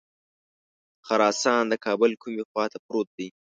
خراسان د کابل کومې خواته پروت دی.